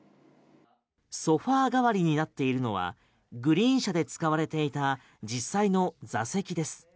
ソファー代わりになっているのはグリーン車で使われていた実際の座席です。